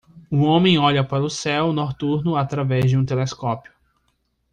Um homem olha para o céu noturno através de um telescópio.